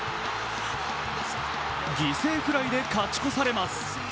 犠牲フライで勝ち越されます。